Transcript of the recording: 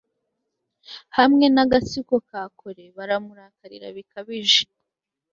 hamwe n'agatsiko ka kore, baramurakarira bikabije